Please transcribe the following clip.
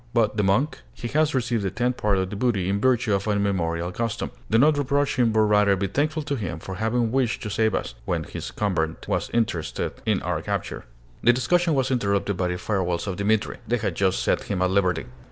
"But the monk?" "He has received a tenth part of the booty in virtue of an immemorial custom. Do not reproach him, but rather be thankful to him for having wished to save us, when his convent was interested in our capture." This discussion was interrupted by the farewells of Dimitri. They had just set him at liberty.